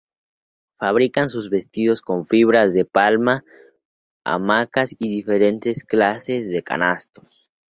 Fabrican sus vestidos con fibras de palma, hamacas y diferentes clases de canastos.